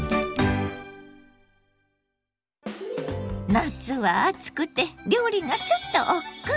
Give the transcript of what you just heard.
夏は暑くて料理がちょっとおっくう。